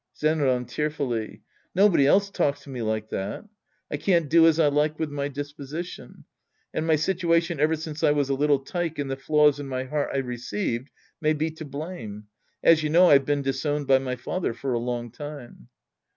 Zenran (fearfully!) Nobody else talks to me like that. I can't do as I like with my disposition. And my situation ever since I was a little tike and the flaws in the heart I received may be to blame. As you know, I've been disowned by my father for a long time.